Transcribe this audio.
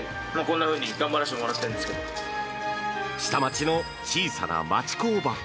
下町の小さな町工場。